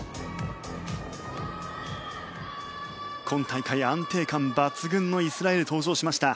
今大会、安定感抜群のイスラエルが登場してきました。